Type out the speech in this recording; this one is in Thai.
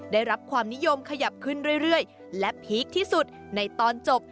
ได้รับความนิยมขยับขึ้นเรื่อยและพีคที่สุดในตอนจบ